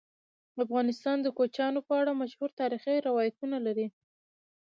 افغانستان د کوچیانو په اړه مشهور تاریخی روایتونه لري.